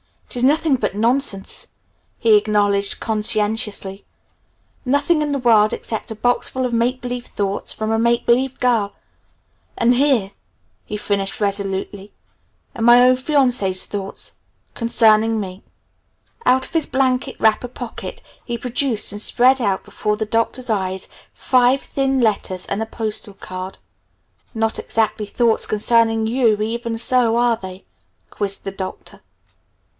"It is nothing but nonsense!" he acknowledged conscientiously; "nothing in the world except a boxful of make believe thoughts from a make believe girl. And here," he finished resolutely, "are my own fiancée's thoughts concerning me." Out of his blanket wrapper pocket he produced and spread out before the Doctor's eyes five thin letters and a postal card. "Not exactly thoughts concerning you, even so, are they?" quizzed the Doctor.